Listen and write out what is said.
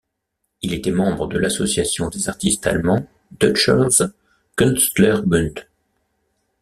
Il était membre de l'association des artistes allemands Deutscher Künstlerbund.